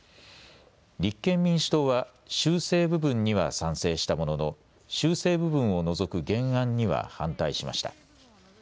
立憲民主党は修正部分には賛成したものの修正部分を除く原案には反対しました。